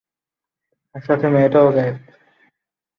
আর সাথে মেয়েটাও গায়েব।